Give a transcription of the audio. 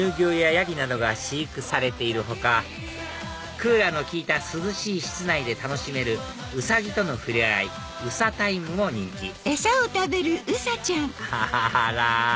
ヤギなどが飼育されている他クーラーの効いた涼しい室内で楽しめるウサギとの触れ合いうさタイムも人気アハハあら！